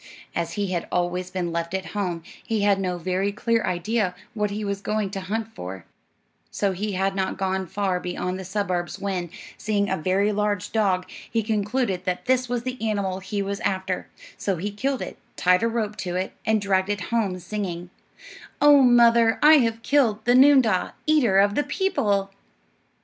As he had always been left at home, he had no very clear idea what he was going to hunt for; so he had not gone far beyond the suburbs, when, seeing a very large dog, he concluded that this was the animal he was after; so he killed it, tied a rope to it, and dragged it home, singing, "Oh, mother, I have killed The noondah, eater of the people."